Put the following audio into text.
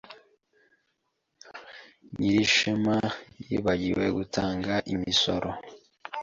Nyirishema yibagiwe gutanga imisoro.